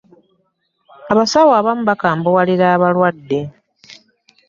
abasawo abamu bakambuwalira abalwadde.